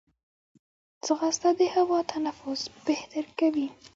ځغاسته د هوا تنفس بهتر کوي